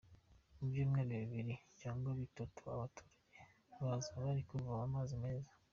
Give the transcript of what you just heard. Mu byumweru bibiri cyangwa bitatu abaturage bazaba bari kuvoma amazi meza.